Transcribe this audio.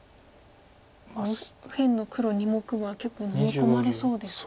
右辺の黒２目は結構のみ込まれそうですか？